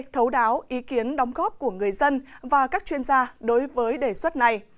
thấu đáo ý kiến đóng góp của người dân và các chuyên gia đối với đề xuất này